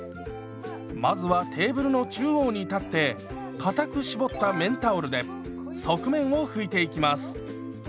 まずはテーブルの中央に立ってかたく絞った綿タオルで側面を拭いていきます。